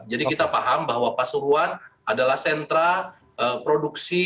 jadi kita paham bahwa pasuruan adalah sentra produksi